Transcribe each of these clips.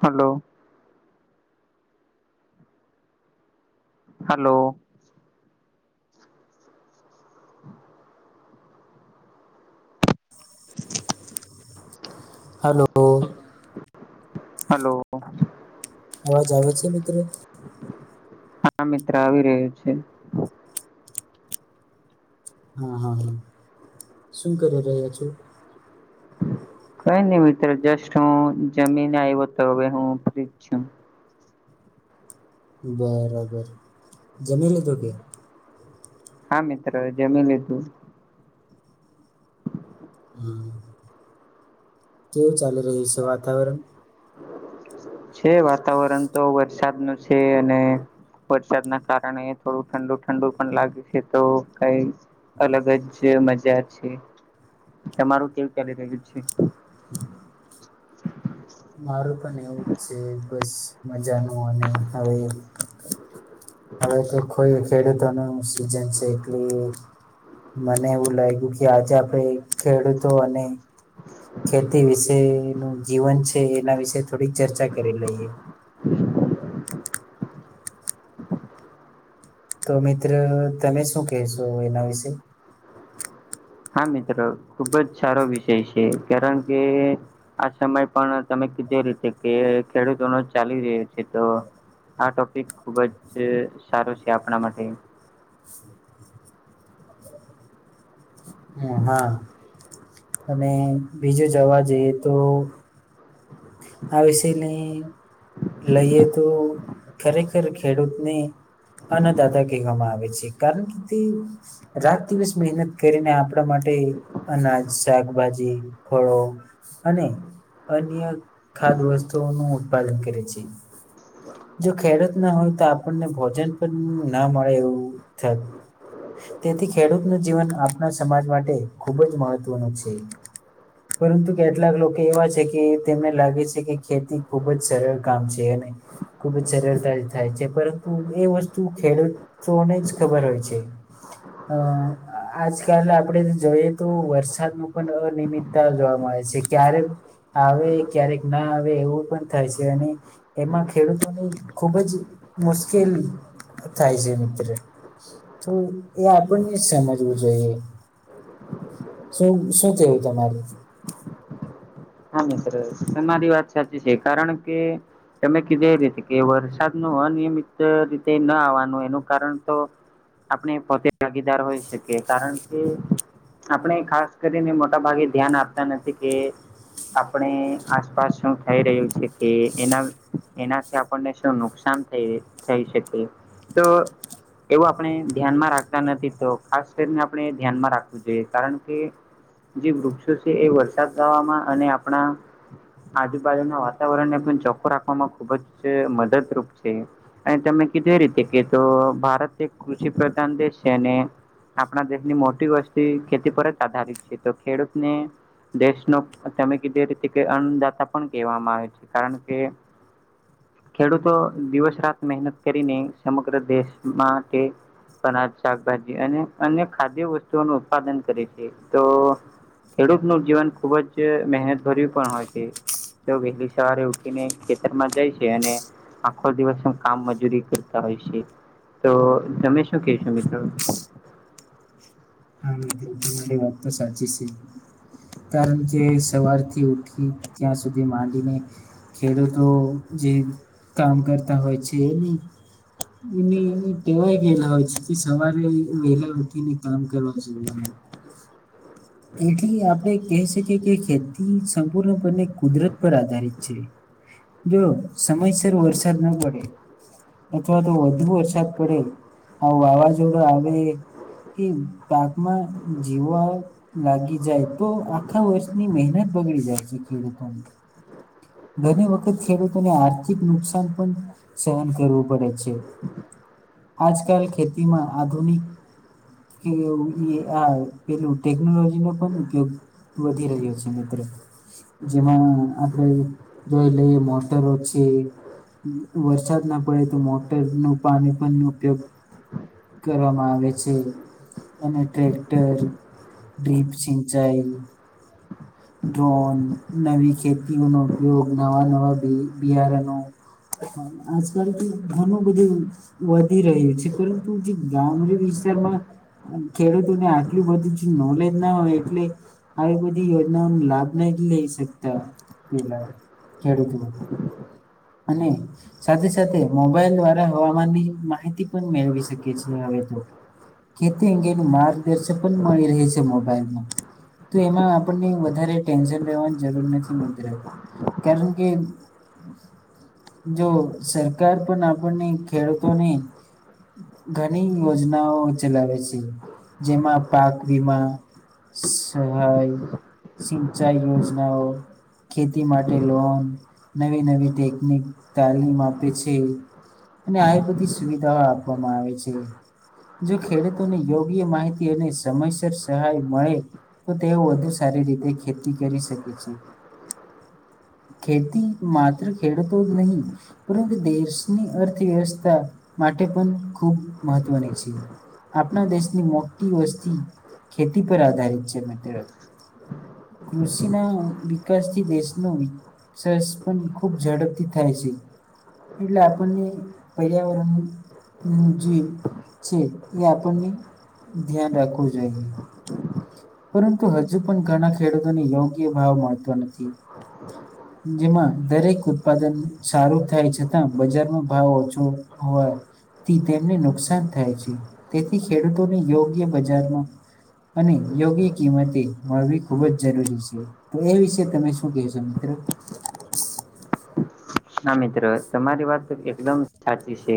Hello. Hello. Hello. Hello. અવાજ આવે છે મિત્ર? આ મિત્ર આવી રહ્યું છે. હા હા હા, શું કરી રહ્યા છો? કઈ નહી મિત્ર જસ્ટ હું જમીન આવ્યો તો હવે હું ફ્રીજ છું. બરાબર, જમી લીધું કે? હા મિત્રો જમી લીધું. હમ. કેવું ચાલી રહ્યું છે વાતાવરણ? છે વાતાવરણ તો વરસાદ ન છે અને વરસાદના કારણે થોડું ઠંડુ ઠંડુ પણ લાગે છે તો કઈ અલગ જ મજા છે, તમારું કેવું ચાલી રહ્યું છે? હ. [inaudible] મારું પણ એવું જ છે બસ મજાનું અને હવે. હવે તો કોઈ ખેડૂતો ન સિઝન છે એટલી મને એવું લાગ્યું કે આજે આપડે ખેડૂતો અને ખેતી વિશે નું જીવન છે એના વિશે થોડીક ચર્ચા કરી લઈએ. તો મિત્ર તમે શું કહેશો એના વિશે? હા મિત્રો ખુબજ સારો વિષય છે કારણ કે આ સમય પણ તમે કીધું એ રીતે કે ખેડૂતો નો ચાલી રહ્યો છે તો આ ટોપિક ખુબજ સારો છે આપણા માટે. [inaudible] હ હા, અને બીજું જવા જઈએ તો આ વિષય ન લઈએ તો ખરેખર ખેડૂતને અન દાતા કહેવામાં આવે છે કારણ કે તે રાત દિવસ મહેનત કરીને આપણા માટે અનાજ, શાકભાજી, ફળો, અને અન્ય ખાધ વસ્તુઓ નું ઉત્પાદન કરે છે. જો ખેડૂત ના હોય તો આપણને ભોજન પણ ના મળે એવું થ તેથી ખેડૂતનું જીવન આપણા સમાજ માટે ખૂબજ મહત્વનું છે. પરંતુ કેટલાક લોકો એવા છે કે એ તેમને લાગે છે કે ખેતી ખૂબજ સરળ કામ છે એને. ખુબજ સરળતા થાય છે, પરંતુ એ વસ્તુ ખેડૂત તોઓને જ ખબર હોય છે. અહ આજકાલ આપણે જોઈએ તો વરસાદનું પણ અનિયમિત કા જોવા મળે છે. ક્યારેક આવે, ક્યારેક ના આવે એવું પણ થાય છે, અને એમાં ખેડૂતોની ખુબજ મુશ્કેલ થાય છે મિત્ર. તો એ આપણને જ સમજવું જોઈએ. શું-શું કેવું તમારે? હા મિત્ર તમારી વાત સાચી છે. કારણ કે તમે કીધું એ રીતે કે વરસાદ નું અનિયમિત રીતે ન આવવાનું એનું કારણ તો આપને પોતે ભાગીદાર હોઈ શકીએ, કારણ કે આપણે ખાસ કરીને મોટાભાગે ધ્યાન આપતા નથી કે આપણે આસપાસ શું થઈ રહ્યું છે, કે એના-એનાથી આપણને શું નુકસાન થઈ થઈ શકે, તો એવું આપણે ધ્યાનમાં રાખતા નથી, તો ખાસ કરીને આપણેે ધ્યાનમાં રાખ વું જોઈએ. કારણ કે જે વૃક્ષો છે એ વરસાદ ગવામાં અને આપણા આજુબાજુના વાતાવરણને પણ ચોખ્ખો રાખવામાં ખુબ જ મદદરૂપ છે. અને તમે કીધું એ રીતે કે તો ભારત એક કૃષિ પ્રધાન દેશ સે અને આપણા દેશની મોટી વસ્તી ખેતી પર જ આધારિત છે, તો ખેડૂતને દેશનો અહ તમે કીધું તે રીતે કે અન્નદાતા પણ કહેવામાં આવે છે, કારણ કે ખેડૂતો દિવસ રાત મહેનત કરીને સમગ્ર દેશ માટે અનાજ, શાકભાજી, અને અન્ય ખાદ્ય વસ્તુઓનો ઉત્પાદન કરે છે. તો ખેડૂતનું જીવન ખુબજ મહેનત ભર્યું પણ હોય છે. તો વહેલી સવારે ઉઠીને ખેતર માં જાય છે અને આખો દિવસનું કામ મજૂરી કરતા હોય છે. તો તમે શું કહેશો મિત્ર? હા મિત્ર. તમારી વાત તો સાચી સે. કારણ કે સવારથી ઉઠી ત્યાં સુધી માંડીને ખેડૂતો જે કામ કરતા હોય છે, એ નહી એને એ ટેવાય ગયેલા હોય છે કે સવારે વહેલા ઉઠી ને કામ કરવા જોઈ એને. તેથી આપડે કહી શકીએ કે ખેતી સંપૂર્ણપણે કુદરત પર આધારિત છે. જો સમયસર વરસાદ ન પડે અથવા તો વધુ વરસાદ પડે, અહ વાવાઝોડું આવે એ પાકમાં જીવાણ લાગી જાય, તો આખા વર્ષની મહેનત બગડી જાય છે ખેડૂતોની. ઘણી વખત ખેડૂતોને આર્થિક નુકસાન પણ સહન કરવું પડે છે આજકાલ ખેતીમાં આધુનિક કે પેલું એ લુટે ટેકનોલોજીનો પણ ઉપયોગ વધી રહ્યો છે મિત્ર. જેમાં આપડે જોઈ લઈએ મોટરો છે વરસાદ ના પડે તો મોટરનું પાણી પન ઉપયોગ કરવામાં આવે છે. અને ટ્રેક્ટર ડ્રીપ સિંચાઈ ડ્રોન નવી ખેતીઓનો ઉપયોગ નવા નવા બિયારણો હા આજ કાલ તો ઘણું બધુ વધી રહ્યું છે પરંતુ જે ગામડે વિસ્તારમાં ખેડૂતો ને આટલું બધું જે નોલેજ ના હો એટલે આવી બધી યોજનાઓનો લાભ નથ લઈ શકતા હોય પેલા ખેડૂતો અને સાથે સાથે મોબાઈલ દ્વારા હવામાનની માહિતી પણ મેળવી શકે છે હવે તો ખેતી અંગેનું માર્ગદર્શન પણ મળી રહે છે તો મોબાઇલમાં તો એમાં આપ વધારે ટેન્શન લેવાની જરૂર નથી મિત્ર કારણ કે જો સરકાર પણ આપણને ખેડૂતોને ઘણી યોજનાઓ ચલાવે છે જેમાં પાકવીમા સહાય સિંચાઈ યોજનાઓ ખેતી માટે લોન નવી નવી ટેકનિક તાલીમ આપે છે અને આવી બધી સુવિધાઓ આપવામાં આવે છે જો ખેડૂતોને યોગ્ય માહિતી અને સમયસર સહાય મળે તો તેઓ વધુ સારી રીતે ખેતી કરી શકે છે ખેતી માત્ર ખેડૂતો નહિ પરંતુ દેશની અર્થવ્યવસ્થા માટે પણ ખૂબ મહત્વની છે આપણા દેશની મોટી વસ્તી ખેતી પર આધારિત છે મિત્ર કૃષિના વિકાસથી દેશનો વિકાસ પણ ખુબ ઝડપથી થાય છે એટલે આપણને પર્યાવરણની જે છે એ આપણને ધ્યાન રાખવું જોઈએ પરંતુ હજુ પણ ઘણા ખેડૂતોને યોગ્ય ભાવ મળતો નથી જેમાં દરેક ઉત્પાદન સારું થાય છતાં બજારમાં ભાવ ઓછો હોય થી તેમને નુકસાન થાય છે તેથી ખેડૂતોને યોગ્ય બજારમાં અને યોગ્ય કિંમતે મળવી ખૂબ જ જરૂરી છે એ વિશે તમે શું કહેશો મિત્રો હા મિત્ર તમારી વાત તો એકદમ સાચી છે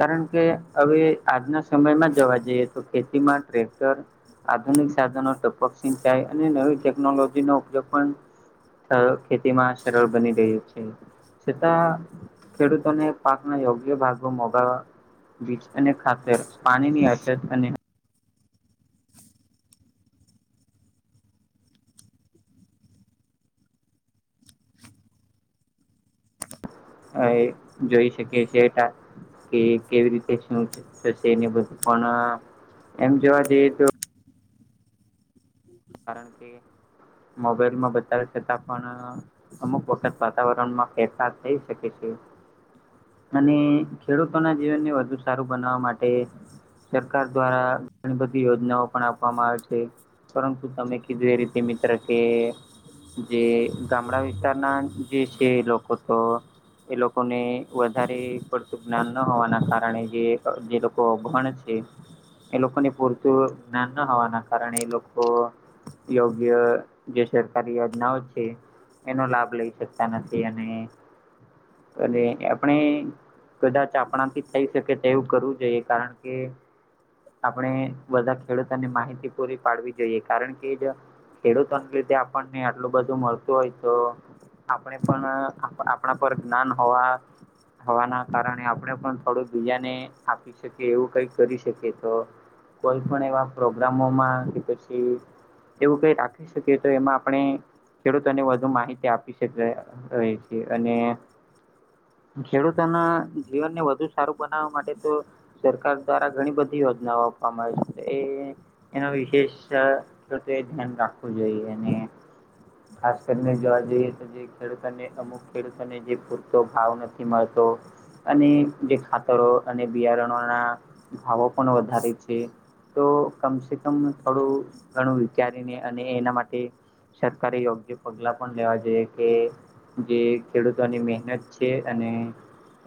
કારણ કે હવે આજના સમયમાં જોવા જઈએ તો ખેતીમાં ટ્રેક્ટર આધુનિક સાધનો ટપક સિંચાય અને નવી ટેકનોલોજીનો ઉપયોગ પણ સરળ ખેતીમાં સરળ બની રહ્યું છે છતાં ખેડૂતોને પાકના યોગ્ય ભાગમાં મોગા બીજ અને ખાતર પાણીની અછત અને હવે જોઈ શકીએ છીએ કે કેવી રીતે શું થશે અને બધું પણ એમ જોવા જઈએ તો કારણ કે મોબાઈલમાં બતાવે છતાં પણ અમુક વખત વાતાવરણમાં ફેરફાર થઈ શકે છે. અને ખેડૂતોના જીવનને વધુ સારું બનાવવા માટે સરકાર દ્વારા ઘણી બધી યોજનાઓ પણ આપવામાં આવે છે. પરંતુ તમે કીધું એ રીતે મિત્ર કે જે ગામડા વિસ્તારના જે છે લોકો તો એ લોકોને વધારે પડતું જ્ઞાન ન હોવાના કારણે જે જે લોકો અભણ છે. એ લોકોને પૂરતું જ્ઞાન ના હોવાના કારણે લોકો તો યોગ્ય જે સરકારી યોજનાઓ છે. એનો લાભ લઈ શકતા નથી એન અને આપણે કદાચ આપણાથી થઈ શકે તે એવું કરવું જોઈએ કારણ કે આપણે બધા ખેડૂતોને માહિતી પૂરી પાડવી જોઈએ કારણ કે જો ખેડૂતોને લીધે આપણને આટલું બધું મળતું હોય તો આપણે પણ આપણા પર જ્ઞાન હોવા હવાના કારણે આપણેે પણ થોડું બીજાને એવું કઈ કરી શકે તો કોઈ પણ એવા પ્રોગ્રામોમાં એવું કઈ રાખી શકીએ તો એમાં આપણે ખેડૂતોને વધુ માહિતી આપી છે છે અને ખેડૂતોના જીવનને વધુ સારું બનાવવા માટે તો સરકાર દ્વારા ઘણી બધી યોજનાઓ આપવામાં આવી છે એ એનો વિશેષ તો ધ્યાન રાખવું જોઈએ અને ખાસ કરીને જોવા જઈએ તો ખેડૂતોને અમુક ખેડૂતોને જે પૂરતો ભાવ નથી મળતો અને જે ખાતરો અને બિયારણોના ભાવો પણ વધારે છે. તો કમસે કમ થોડું ઘણું વિચારીને અને એના માટે સરકારે યોગ્ય પગલા પણ લેવા જોઈએ કે જે ખેડૂતોની મહેનત છે અને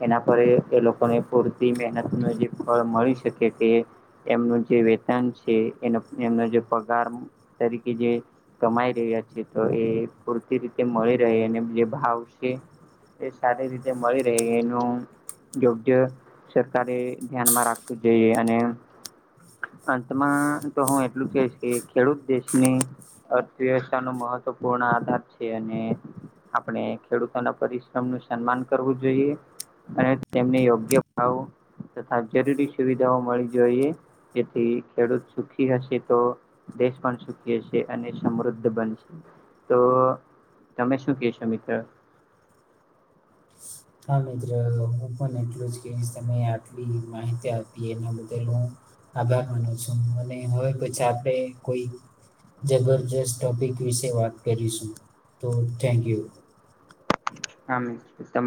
એના પર એ લોકોને પૂરતી મહેનત ન જે ફળ મળી શકે તે એમનું જે વેતન છે એ એમનો જે પગાર તરીકે જે કમાઈ રહ્યા છે તો એ પૂરતી રીતે મળી રહે અને જે ભાવ છે. એ સારી રીતે મળી ર એનું યોગ્ય સરકારે ધ્યાનમાં રાખવું જોઈએ અને અંતમાં તો હું એટલું જ કશ કે ખેડૂત દેશની અર્થવ્યવસ્થા નો મહત્વપૂર્ણ આધાર છે અને આપણે ખેડૂતોના પરિશ્રમ નું સન્માન કરવું જોઈએ અને તેમને યોગ્ય ભાવ તથા જરૂરી સુવિધાઓ મળવી જોઈએ. જેથી ખેડૂત સુખી સુી હશે તો દેશ પણ સુખી હશે અને સમૃદ્ધ બનશે તો તમે શું કહેશો મિત્ર હા મિત્ર હું પણ એટલું જ કે તમે આટલી માહિતી આપી એના બદલ હું આભાર માનો છું અને હોવે પછી આપે કોઈ જબરજસ્ત ટોપિક વિશે વાત કરીશું તો થેન્ક યુ હા તમા